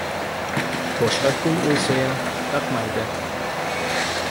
Boshqa kun o‘lsayam taqmaydi.